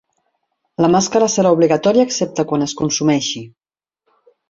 La màscara serà obligatòria excepte quan es consumeixi.